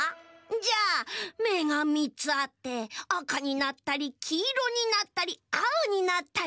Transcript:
じゃあめが３つあってあかになったりきいろになったりあおになったり。